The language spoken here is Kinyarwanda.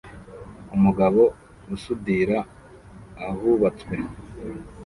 Umugabo usudira ahubatswe